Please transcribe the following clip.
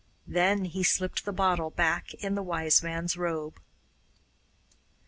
Then he slipped the bottle back in the Wise Man's robe.